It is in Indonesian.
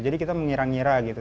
jadi kita mengira ngira gitu